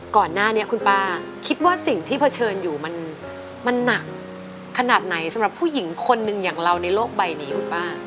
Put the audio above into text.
ก่อนหน้านี้คุณป้าคิดว่าสิ่งที่เผชิญอยู่มันหนักขนาดไหนสำหรับผู้หญิงคนหนึ่งอย่างเราในโลกใบนี้คุณป้า